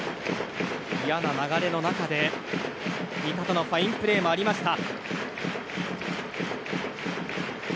嫌な流れの中で、味方のファインプレーもありました。